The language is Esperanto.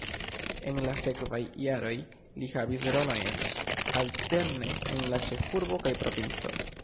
En la sekvaj jaroj li havis rolojn alterne en la ĉefurbo kaj provinco.